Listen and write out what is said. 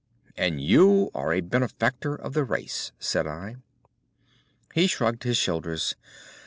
"And you are a benefactor of the race," said I. He shrugged his shoulders.